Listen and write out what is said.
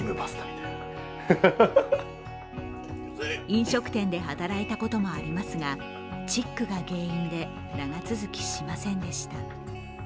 飲食店で働いたこともありますが、チックが原因で長続きしませんでした。